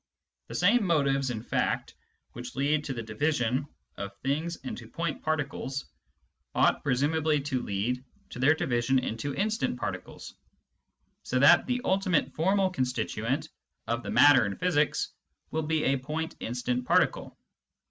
The same motives, in fact, which lead to the division of things into point particles, ought presumably to lead to their division into instant partides, so that the ultimate y&r»w/ constituent of the matter in physics will be a point instant pardcle.